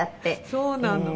そうなの。